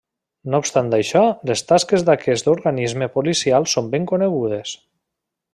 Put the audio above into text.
No obstant això les tasques d'aquest organisme policial són ben conegudes.